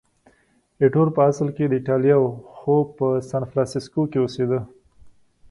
ایټور په اصل کې د ایټالیا و، خو په سانفرانسیسکو کې اوسېده.